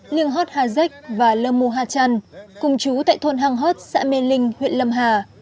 liêng hót ha dách và lơ mô ha trăn cùng chú tại thôn hàng hót xã mê linh huyện lâm hà